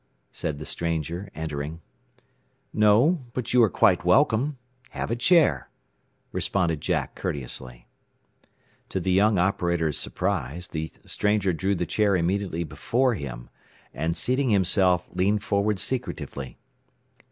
said the stranger, entering. "No; but you are quite welcome. Have a chair," responded Jack courteously. To the young operator's surprise, the stranger drew the chair immediately before him, and seating himself, leaned forward secretively.